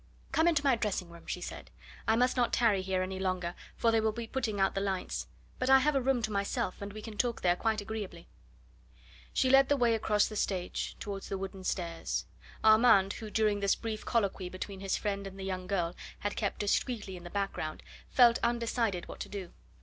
"Come into my dressing room," she said. "I must not tarry here any longer, for they will be putting out the lights. But I have a room to myself, and we can talk there quite agreeably." She led the way across the stage towards the wooden stairs. Armand, who during this brief colloquy between his friend and the young girl had kept discreetly in the background, felt undecided what to do.